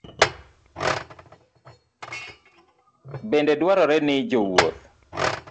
Bende dwarore ni jowuoth